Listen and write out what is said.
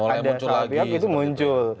ada salbihak itu muncul